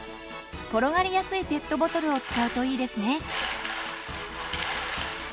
転がりやすいペットボトルを使うといいですね。